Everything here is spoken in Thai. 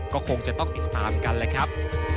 ก็คงจะต้องติดตามกันแหละครับ